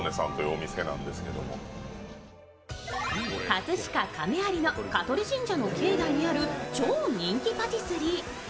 葛飾・亀有の香取神社の境内にある超人気パティスリ−。